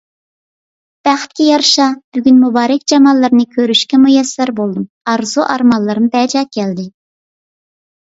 بەختكە يارىشا، بۈگۈن مۇبارەك جاماللىرىنى كۆرۈشكە مۇيەسسەر بولدۇم، ئارزۇ - ئارمانلىرىم بەجا كەلدى.